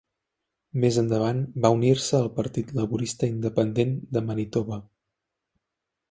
Més endavant va unir-se al Partit Laborista Independent de Manitoba.